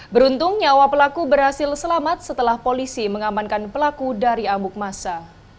beruntung nyawa pelaku berhasil selamat setelah polisi mengamankan pelaku dari amuk masa